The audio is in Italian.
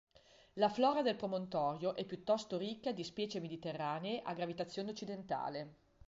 La flora del promontorio è piuttosto ricca di specie mediterranee a gravitazione occidentale.